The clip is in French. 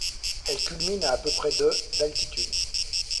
Elle culmine à près de d'altitude.